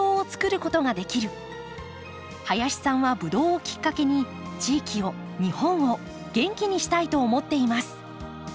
林さんはブドウをきっかけに地域を日本を元気にしたいと思っています。